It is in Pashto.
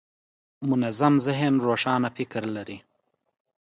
منظم ذهن روښانه فکر لري.